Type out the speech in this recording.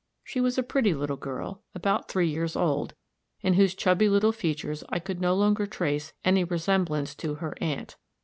She was a pretty little girl, about three years old, in whose chubby little features I could no longer trace any resemblance to her "aunt."